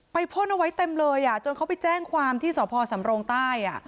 พ่นเอาไว้เต็มเลยจนเขาไปแจ้งความที่สพสำรงใต้